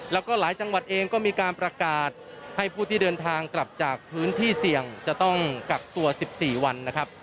แล้วก็หลายจังหวัดเองก็มีการประกาศให้ผู้ที่เดินทางกลับจากพื้นที่เสี่ยงจะต้องกักตัว๑๔วันนะครับ